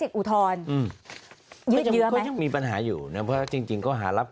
ก็ยืนยันตามความเป็นจริงของเขาอะครับ